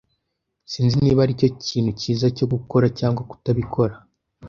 Sinzi niba aricyo kintu cyiza cyo gukora cyangwa kutabikora.